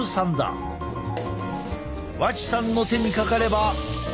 和知さんの手にかかれば。